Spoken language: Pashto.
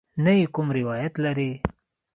نه یې کوم روایت لرې.